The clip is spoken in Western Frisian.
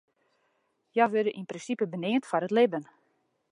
Hja wurde yn prinsipe beneamd foar it libben.